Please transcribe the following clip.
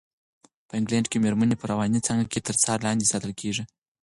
په انګلنډ کې مېرمنې په رواني څانګه کې تر څار لاندې ساتل کېږي.